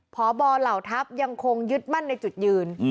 พบเหล่าทัพยังคงยึดมั่นในจุดยืน